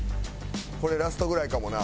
これラストぐらいかもな。